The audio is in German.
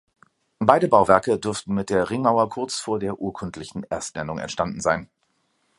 Beide Bauwerke dürften mit der Ringmauer kurz vor der urkundlichen Erstnennung entstanden sein.